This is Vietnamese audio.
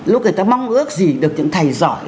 lúc người ta mong ước gì được những thầy giỏi